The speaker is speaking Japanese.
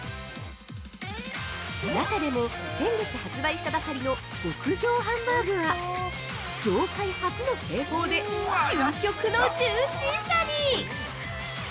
中でも、先月発売したばかりの「極上ハンバーグ」は業界初の製法で究極のジューシーさに！